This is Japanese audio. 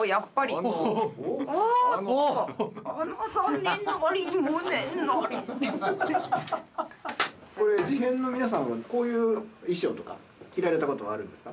これ事変の皆さんはこういう衣装とか着られたことはあるんですか？